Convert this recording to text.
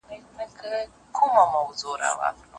د مستو پېغلو د پاولیو وطن